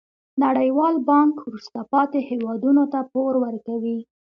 نړیوال بانک وروسته پاتې هیوادونو ته پور ورکوي.